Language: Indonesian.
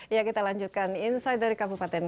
ya kita lanjutkan insight dari kabupaten